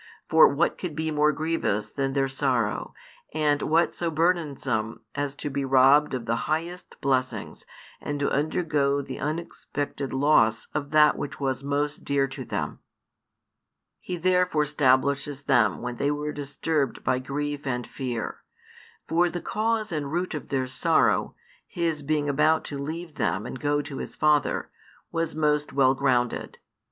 For what could be more grievous than their sorrow, and what so burdensome as to be robbed of the highest blessings and to undergo the unexpected loss of that which was most dear to them? He therefore stablishes them when they were disturbed by grief and fear. For the cause and root of their sorrow, His being about to leave them and go to His Father, was most well grounded.